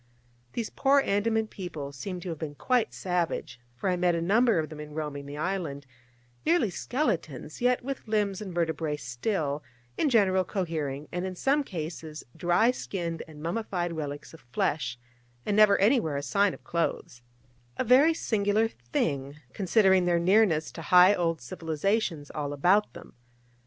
These poor Andaman people seem to have been quite savage, for I met a number of them in roaming the island, nearly skeletons, yet with limbs and vertebrae still, in general, cohering, and in some cases dry skinned and mummified relics of flesh, and never anywhere a sign of clothes: a very singular thing, considering their nearness to high old civilisations all about them.